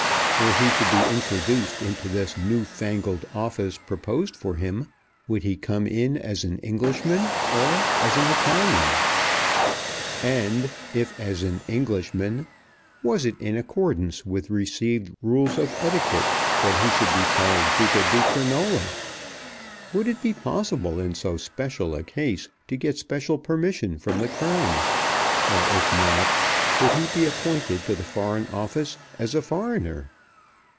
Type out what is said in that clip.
Were he to be introduced into this new fangled office proposed for him, would he come in as an Englishman or an Italian; and if as an Englishman, was it in accordance with received rules of etiquette that he should be called Duca di Crinola? Would it be possible in so special a case to get special permission from the Crown; or if not, could he be appointed to the Foreign Office as a foreigner?